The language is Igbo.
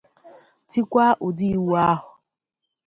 tikwa ụdị iwu ahụ.